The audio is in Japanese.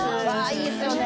いいですよね。